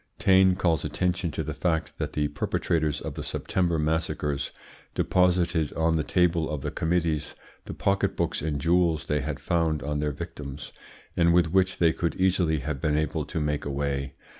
Taine calls attention to the fact that the perpetrators of the September massacres deposited on the table of the committees the pocket books and jewels they had found on their victims, and with which they could easily have been able to make away.